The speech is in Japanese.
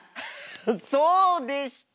そうでした！